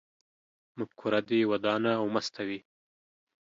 مفکوره دې ودانه او مسته وي